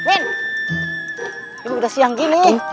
ini udah siang gini